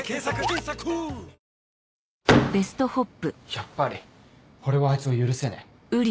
やっぱり俺はあいつを許せねえ。